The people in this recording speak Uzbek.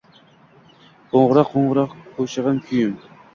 Qo‘ng‘iroq-ko‘ng‘iroq qo‘shig‘im, kuyim